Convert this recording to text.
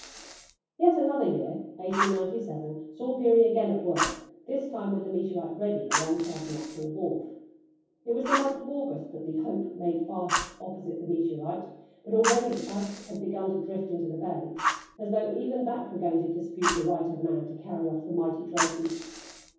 Yet another year 1897 saw Peary again at work, this time with the meteorite ready alongside the natural wharf. It was the month of August that the Hope made fast opposite the meteorite, but already the ice had begun to drift into the bay, as though even that were going to dispute the right of man to carry off the mighty trophy.